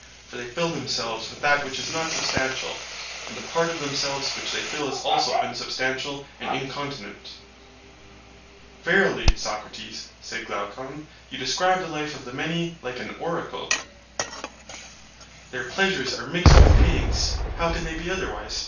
For they fill themselves with that which is not substantial, and the part of themselves which they fill is also unsubstantial and incontinent. Verily, Socrates, said Glaucon, you describe the life of the many like an oracle. Their pleasures are mixed with pains—how can they be otherwise?